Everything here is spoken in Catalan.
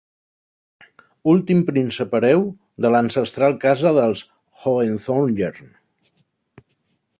Últim príncep hereu de l'ancestral casa dels Hohenzollern.